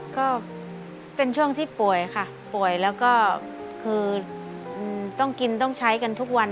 ก็เป็นช่วงที่ป่วยค่ะป่วยแล้วก็คือต้องกินต้องใช้กันทุกวัน